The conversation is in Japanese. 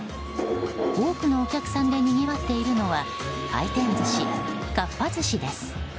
多くのお客さんでにぎわっているのは回転寿司、かっぱ寿司です。